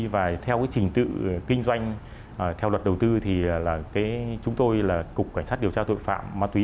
và theo cái trình tự kinh doanh theo luật đầu tư thì là chúng tôi là cục cảnh sát điều tra tội phạm ma túy